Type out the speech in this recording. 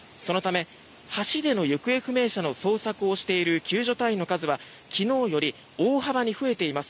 そのため橋での行方不明者の捜索をしている救助隊員の数は昨日より大幅に増えています。